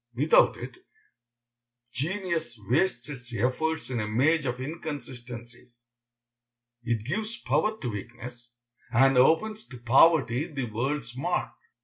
Without it, genius wastes its efforts in a maze of inconsistencies. It gives power to weakness, and opens to poverty the world's mark.